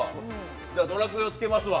「ドラクエ」をつけますわ。